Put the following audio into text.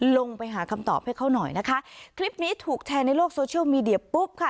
ลงไปหาคำตอบให้เขาหน่อยนะคะคลิปนี้ถูกแชร์ในโลกโซเชียลมีเดียปุ๊บค่ะ